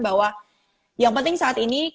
bahwa yang penting saat ini